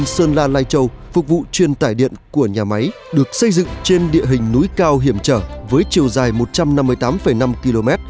xây dựng trên địa hình núi cao hiểm trở với chiều dài một trăm năm mươi tám năm km